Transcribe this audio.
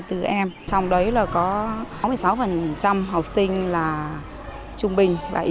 trong đấy có sáu mươi sáu học sinh trung bình